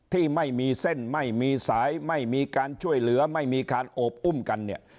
ที่ไม่มีเส้นไม่มีสายไม่มีการช่วยเหลือไม่มีการโอบอุ้มกันเนี่ย